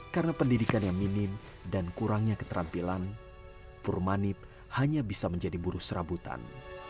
karena pendidikan yang minim dan kurangnya keterampilan permanib hanya bisa menjadi buru serabutan